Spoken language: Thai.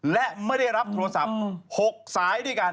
และไม่ได้รับโทรศัพท์๖สายด้วยกัน